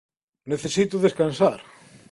Necesito descansar.